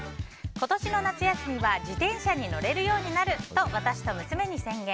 今年の夏休みは自転車に乗れるようになると私と娘に宣言。